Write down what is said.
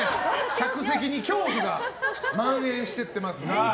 客席に恐怖が蔓延していってますが。